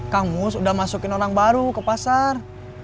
kang mus udah masukin orang baru ke pasar